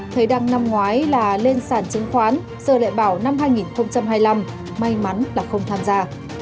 thấy đăng năm ngoái là lên sản chứng khoán giờ đại bảo năm hai nghìn hai mươi năm may mắn là không tham gia